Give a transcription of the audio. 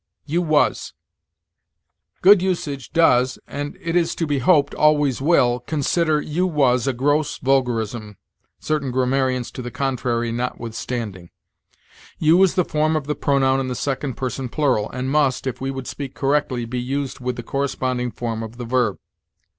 YOU WAS. Good usage does, and it is to be hoped always will, consider you was a gross vulgarism, certain grammarians to the contrary notwithstanding. You is the form of the pronoun in the second person plural, and must, if we would speak correctly, be used with the corresponding form of the verb.